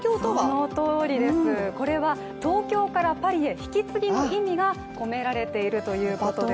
そのとおりです、これは東京からパリへ引き継ぎの意味が込められているということです。